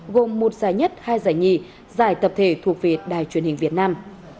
gồm một giải nhất hai giải nhì giải tập thể thuộc về đài truyền hình việt nam